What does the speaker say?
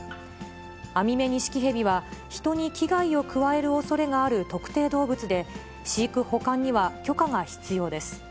アミメニシキヘビは、人に危害を加えるおそれがある特定動物で、飼育・保管には許可が必要です。